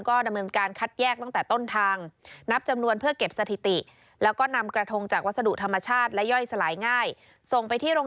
ก็ดำเนินการคัดแยกตั้งแต่ต้นทางนับจำนวนเพื่อเก็บสถิติ